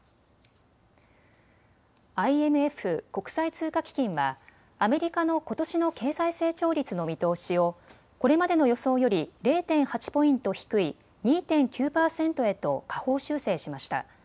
ＩＭＦ・国際通貨基金はアメリカのことしの経済成長率の見通しをこれまでの予想より０．８ポイント低い２．９％へと下方修正しました。